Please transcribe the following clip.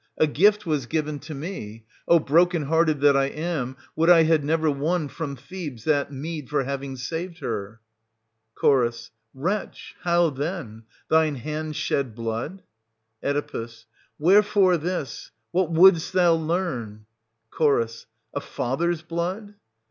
A gift was given to me — O, broken hearted that I am, would I had never won from 540 Thebes that meed for having served her ! Ch. Wretch ! How then },, .thine hand shed blood h .. aftt, Oe. Wherefore this ? What wouldst thou learn ? Ch. a father's blood.?